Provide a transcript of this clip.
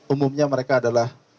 umumnya mereka adalah